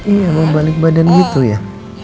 iya membalik badan gitu ya